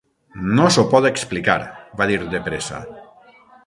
"No s'ho pot explicar" va dir de pressa.